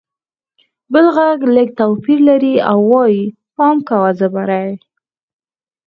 بل غږ لږ توپیر لري او وایي: «پام کوه! زمری!»